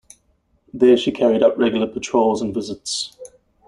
There she carried out regular patrols and visits.